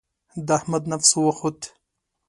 د احمد نفس وخوت.